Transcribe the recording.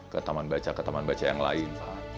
ke taman baca ke taman baca yang lain